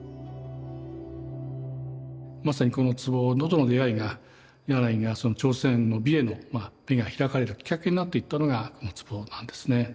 まさにこの壺との出会いが柳がその朝鮮の美への目が開かれたきっかけになっていったのがこの壺なんですね。